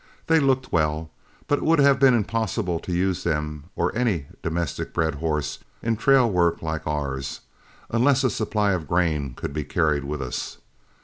They looked well, but it would have been impossible to use them or any domestic bred horses in trail work like ours, unless a supply of grain could be carried with us.